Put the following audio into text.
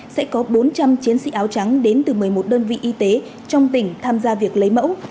sẽ có bốn trăm linh chiến sĩ áo trắng đến từ một mươi một đơn vị y tế trong tỉnh tham gia việc lấy mẫu